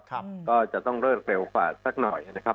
ก็จะต้องเลิกเร็วกว่าสักหน่อยนะครับ